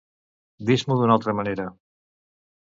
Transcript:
Dis-m'ho d'una altra manera.